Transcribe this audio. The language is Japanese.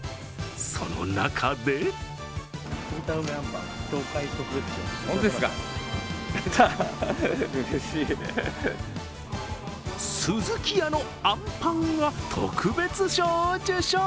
その中でスズキヤのあんぱんが特別賞を受賞。